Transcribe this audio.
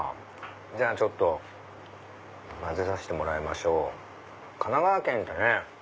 じゃあちょっと混ぜさせてもらいましょう。神奈川県ってね